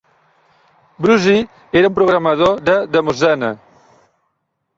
Brussee era un programador de demoscene.